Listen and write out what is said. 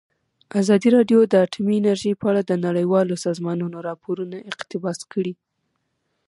ازادي راډیو د اټومي انرژي په اړه د نړیوالو سازمانونو راپورونه اقتباس کړي.